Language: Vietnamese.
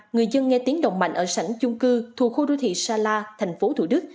người dân nghe tiếng động mạnh ở sảnh chung cư thuộc khu đô thị sala tp thủ đức